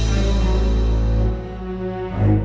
salamat ya afif